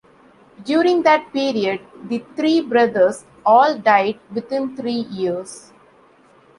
During that period, the three brothers all died within three years.